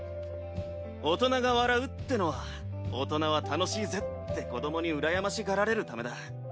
大人が笑うってのは大人は楽しいぜって子どもに羨ましがられるためだ。